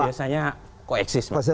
itu biasanya koeksis